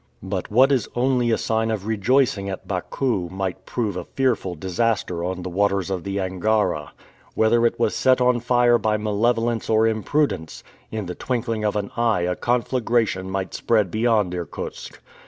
But what is only a sign of rejoicing at Bakou, might prove a fearful disaster on the waters of the Angara. Whether it was set on fire by malevolence or imprudence, in the twinkling of an eye a conflagration might spread beyond Irkutsk.